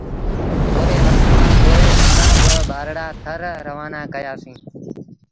ٿوري وکت کآݩ پو اسآݩ با ٻآرڙآ ٿر روآنآ ڪيآسيٚݩ۔